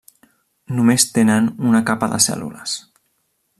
Només tenen una capa de cèl·lules.